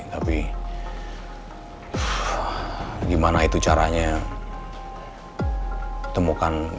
tapi gimana itu caranya temukan dua orang itu ya